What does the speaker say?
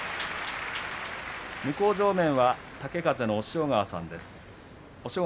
向正面は豪風の押尾川さんです。